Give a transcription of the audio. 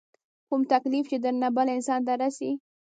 کوم تکليف چې درنه بل انسان ته رسي